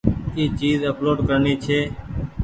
اي چيز اپلوڊ ڪرڻي ڇي۔